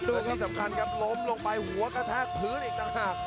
ซึ่งที่สำคัญครับล้มลงไปหัวกระแทกพื้นอีกต่างหาก